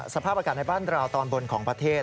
สภาพอากาศในบ้านราวตอนบนของประเทศ